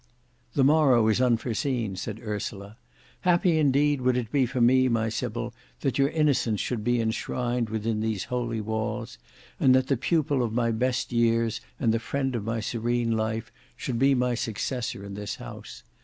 "The morrow is unforeseen," said Ursula. "Happy indeed would it be for me, my Sybil, that your innocence should be enshrined within these holy walls, and that the pupil of my best years, and the friend of my serene life, should be my successor in this house.